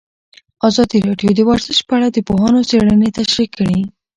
ازادي راډیو د ورزش په اړه د پوهانو څېړنې تشریح کړې.